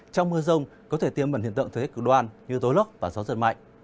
trong mưa rông có thể tiêm bẩn hiện tượng thời tiết cực đoan như tối lốc và gió giật mạnh